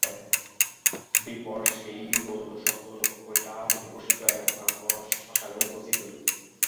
বীরবর সেই রোদনশব্দ লক্ষ্য করিয়া অতি প্রসিদ্ধ এক ভয়ঙ্কর শ্মশানে উপস্থিত হইল।